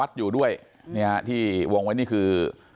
ฝ่ายกรเหตุ๗๖ฝ่ายมรณภาพกันแล้ว